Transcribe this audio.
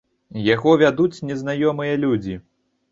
Яго вядуць незнаёмыя людзі.